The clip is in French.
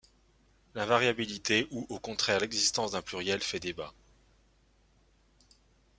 L'invariabilité ou au contraire l'existence d'un pluriel fait débat.